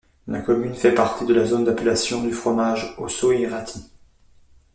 La commune fait partie de la zone d'appellation du fromage Ossau-Iraty.